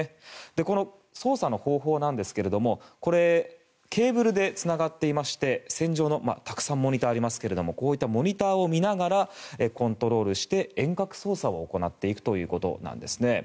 この操作の方法なんですがこれ、ケーブルでつながっていまして船上のたくさんモニターがありますがこういったモニターを見ながらコントロールして遠隔操作を行っていくということなんですね。